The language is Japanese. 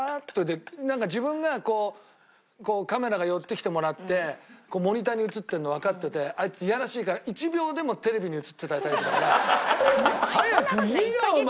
なんか自分がこうカメラが寄ってきてもらってモニターに映ってるのわかっててあいついやらしいから１秒でもテレビに映っていたいタイプだから「早く言えよお前！